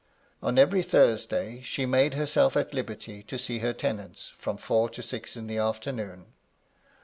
On every Thursday she made herself at liberty to see her tenants, from four to six in the afternoon.